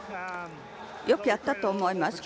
よくやったと思います。